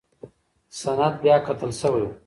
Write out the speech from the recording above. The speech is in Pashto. سند بیاکتل شوی و.